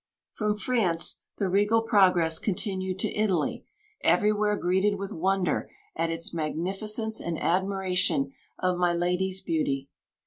From France the regal progress continued to Italy, everywhere greeted with wonder at its magnificence and admiration of my lady's beauty.